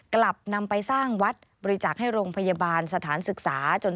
กลับนำไปสร้างวัดบริจาคให้โรงพยาบาลสถานศึกษาจน